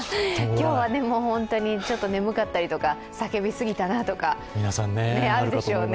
今日は本当に眠かったり、叫びすぎたなとか、あるでしょうね。